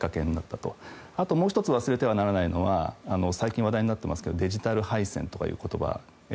あともう１つ忘れてはならないのは最近話題になっていますけどデジタル敗戦という言葉。